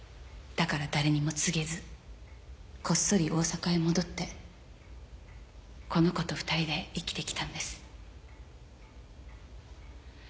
だから誰にも告げずこっそり大阪へ戻ってこの子と２人で生きてきたんです。